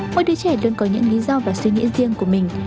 mỗi đứa trẻ luôn có những lý do và suy nghĩ riêng của mình